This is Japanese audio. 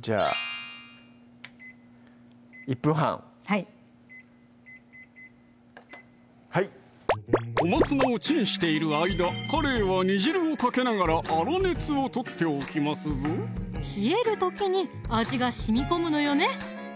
じゃあ１分半はい小松菜をチンしている間カレイは煮汁をかけながら粗熱を取っておきますぞ冷える時に味がしみこむのよね！